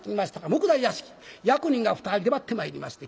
目代屋敷役人が２人出張ってまいりまして。